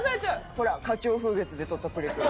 ほら花鳥風月で撮ったプリクラ。